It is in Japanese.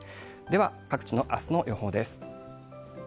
では、各地のあすの予報です。